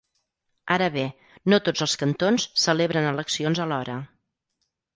Ara bé, no tots els cantons celebren eleccions alhora.